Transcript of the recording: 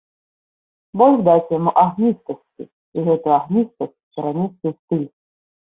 Больш даць яму агністасці і гэтую агністасць перанесці ў стыль.